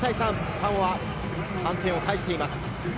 サモアが３点を返しています。